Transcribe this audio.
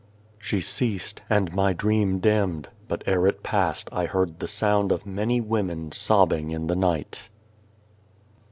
She ceased, and my dream dimmed, but ere it passed I heard the sound of many women sobbing in the night.